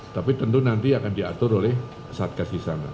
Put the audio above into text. tapi tentu nanti akan diatur oleh satgas di sana